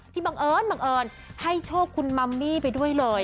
ที่บังเอิญให้โชคคุณมัมมี่ไปด้วยเลย